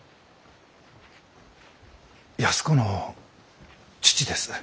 安子の父です。